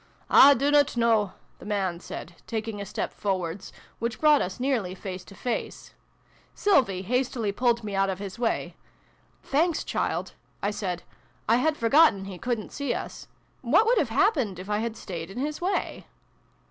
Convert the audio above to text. " I dunnot know," the man said, taking a step forwards, which brought us nearly face to face. Sylvie hastily pulled me out of his way. " Thanks, child," I said. " I had for gotten he couldn't see us. What would have happened if I had staid in his way